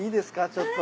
ちょっと。